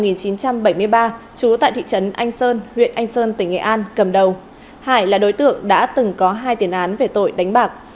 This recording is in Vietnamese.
năm một nghìn chín trăm bảy mươi ba chú tại thị trấn anh sơn huyện anh sơn tỉnh nghệ an cầm đầu hải là đối tượng đã từng có hai tiền án về tội đánh bạc